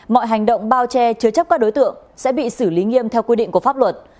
mọi hành động bao che chứa chấp các đối tượng sẽ bị xử lý nghiêm theo quy định của pháp luật